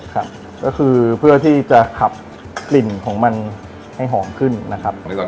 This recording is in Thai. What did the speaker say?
ครับก็คือเพื่อที่จะขับกลิ่นของมันให้หอมขึ้นนะครับ